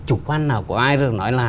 chủ quan nào của ai rồi nói là